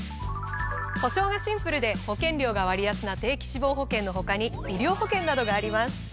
保障がシンプルで保険料が割安な定期死亡保険の他に医療保険などがあります。